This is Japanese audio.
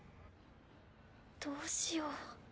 どうしよう。